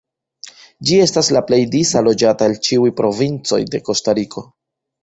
Ĝi estas la plej disa loĝata el ĉiuj provincoj de Kostariko.